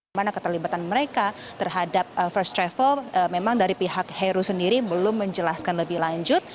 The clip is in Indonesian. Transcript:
di mana keterlibatan mereka terhadap first travel memang dari pihak heru sendiri belum menjelaskan lebih lanjut